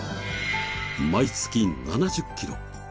毎月７０キロ。